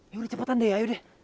yaudah cepetan deh ayo deh